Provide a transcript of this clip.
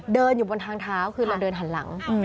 เดินอยู่บนทางเท้าคือเราเดินหันหลัง